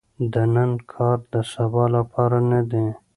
د نن کار د سبا لپاره نه دي .